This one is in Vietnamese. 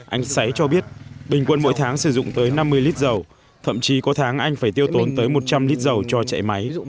anh sấy cho biết bình quân mỗi tháng sử dụng tới năm mươi lít dầu thậm chí có tháng anh phải tiêu tốn tới một trăm linh lít dầu cho chạy máy